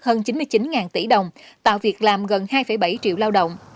hơn chín mươi chín tỷ đồng tạo việc làm gần hai bảy triệu lao động